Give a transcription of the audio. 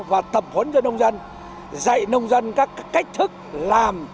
và tập huấn cho nông dân dạy nông dân các cách thức làm